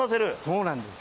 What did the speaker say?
そうなんです。